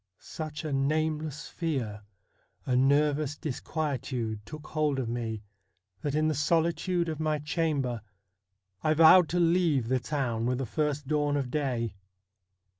Such a nameless fear, a nervous dis quietude, took hold of me, that in the solitude of my chamber I vowed to leave the town with the first dawn of day.